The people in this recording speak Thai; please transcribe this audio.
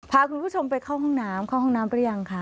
พาคุณผู้ชมไปเข้าห้องน้ำเข้าห้องน้ำหรือยังคะ